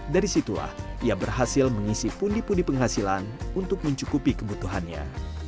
dari situlah ia berhasil mengisi pundi pundi penghasilan untuk mencukupi kebutuhannya